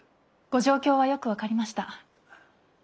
ご状況はよく分かりました。